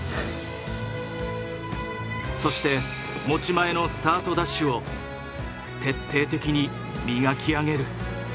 そして持ち前のスタートダッシュを徹底的に磨き上げる。